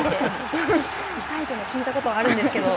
痛いとも聞いたことがあるんですけれども。